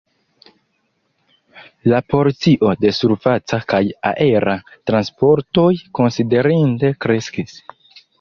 La porcio de surfaca kaj aera transportoj konsiderinde kreskis.